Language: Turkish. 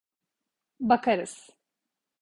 Bakarız.